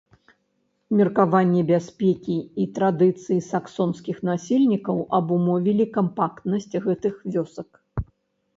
Меркаванні бяспекі і традыцыі саксонскіх насельнікаў абумовілі кампактнасць гэтых вёсак.